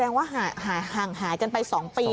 ว่าห่างหายกันไป๒ปี